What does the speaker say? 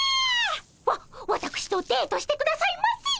わわたくしとデートしてくださいませ！